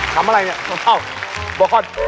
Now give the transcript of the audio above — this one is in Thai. คำอะไรนี่อ้าวบกฮ่อน